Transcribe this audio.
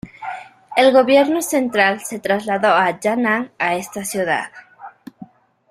El gobierno central se trasladó a Yan'an a esta ciudad.